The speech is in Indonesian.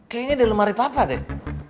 kayaknya di lemari papa deh